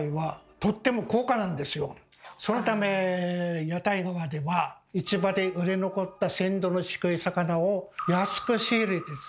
そのため屋台とかでは市場で売れ残った鮮度の低い魚を安く仕入れてですね